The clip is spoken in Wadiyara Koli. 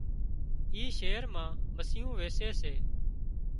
اي شهر مان مسيون ويسي سي